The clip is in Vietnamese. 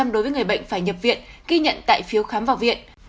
một trăm linh đối với người bệnh phải nhập viện ghi nhận tại phiếu khám vào viện